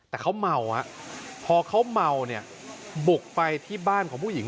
แต่เขาเมาพอเขาเมาเนี่ยบุกไปที่บ้านของผู้หญิง